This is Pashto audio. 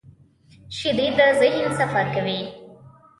شیدې د ذهن صفا کوي